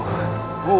guru yang menyuruhku